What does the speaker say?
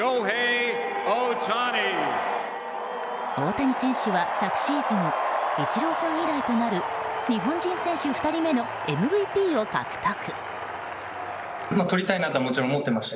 大谷選手は、昨シーズンイチローさん以来となる日本人選手２人目のＭＶＰを獲得。